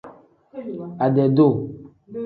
Ade-duu.